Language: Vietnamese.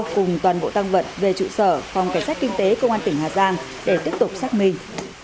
cùng toàn bộ tăng vận về trụ sở phòng cảnh sát kinh tế công an tỉnh hà giang để tiếp tục xác minh